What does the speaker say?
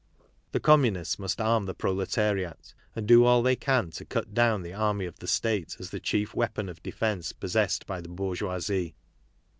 The Communists must arm the proletariat and do all they can to cut down the army of the State as the chief weapon of defence possessed by the bourgeoisie.